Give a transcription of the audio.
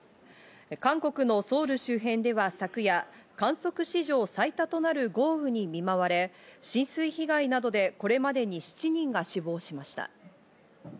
韓国のソウル周辺では昨夜、観測史上最多となる豪雨に見舞われ、浸水被害などで、これまでに７人が死亡しました。